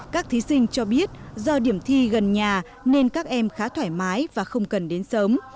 các thí sinh cho biết do điểm thi gần nhà nên các em khá thoải mái và không cần đến sớm